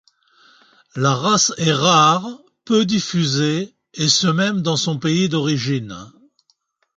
La race est rare, peu diffusée, et ce même dans son pays d'origine.